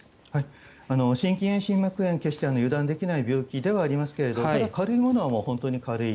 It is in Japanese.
心筋炎、心膜炎は決して油断できない病気ではありますがただ、軽いものは本当に軽い。